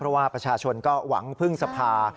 เพราะว่าประชาชนก็หวังพึ่งสภา